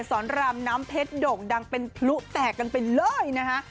สอนรามน้ำเพชรโด่งดังเป็นพลุแตกกันไปเลยนะคะ